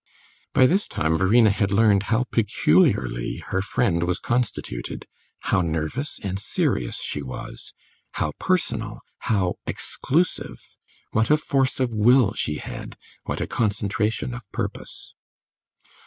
By this time Verena had learned how peculiarly her friend was constituted, how nervous and serious she was, how personal, how exclusive, what a force of will she had, what a concentration of purpose.